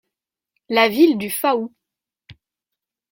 La ville du Faou.